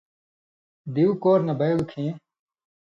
دیُو کور نہ بئیلوۡ کھیں